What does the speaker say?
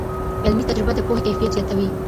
علمي تجربه د پوهې کیفیت زیاتوي.